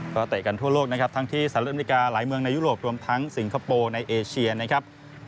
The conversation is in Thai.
ก็เตะกันทั่วโลกนะครับทั้งที่สหรัฐอเมริกาหลายเมืองในยุโรปรวมทั้งสิงคโปร์ในเอเชียนะครับ